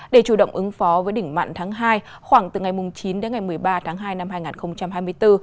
để chủ động ứng phó với đỉnh mặn tháng hai khoảng từ ngày chín đến ngày một mươi ba tháng hai năm hai nghìn hai mươi bốn